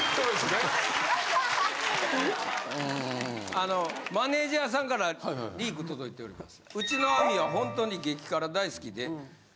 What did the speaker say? あのマネジャーさんからリーク届いております。